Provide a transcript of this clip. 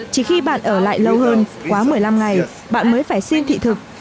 chỉ khi bạn ở lại lâu hơn quá một mươi năm ngày bạn mới phải xin thị thực